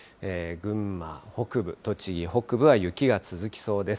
群馬北部、栃木北部は雪が続きそうです。